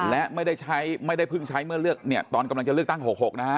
และไม่ได้ใช้ไม่ได้เพิ่งใช้เมื่อเลือกเนี่ยตอนกำลังจะเลือกตั้ง๖๖นะฮะ